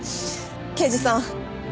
刑事さん